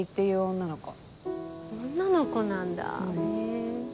女の子なんだへぇ。